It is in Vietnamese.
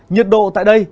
nhiệt độ tại đây